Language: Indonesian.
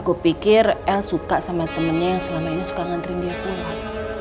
aku pikir l suka sama temennya yang selama ini suka ngantrin dia keluar